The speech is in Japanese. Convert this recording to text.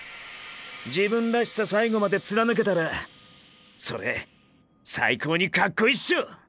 自分らしさ最後まで貫けたらそれ最高にカッコイイショ！！